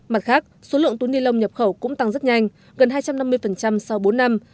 mặt khác số lượng túi ni lông nhập khẩu cũng tăng rất nhanh gần hai trăm năm mươi sau bốn năm